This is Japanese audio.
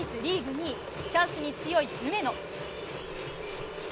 ２位チャンスに強い梅野。